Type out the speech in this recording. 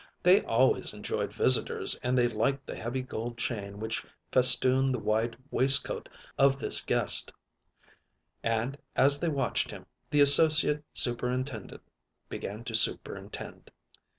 They always enjoyed visitors, and they liked the heavy gold chain which festooned the wide waistcoat of this guest; and, as they watched him, the Associate Superintendent began to superintend.